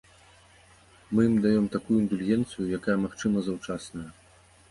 Мы ім даём такую індульгенцыю, якая, магчыма, заўчасная.